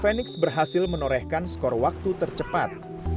fenix berhasil menorehkan skor waktu tercepat